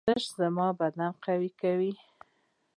ورزش زما بدن قوي کوي.